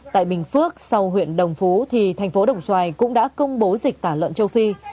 tại bình phước sau huyện đồng phú thì thành phố đồng xoài cũng đã công bố dịch tả lợn châu phi